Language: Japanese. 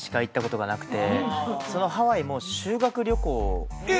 そのハワイも修学旅行えっ？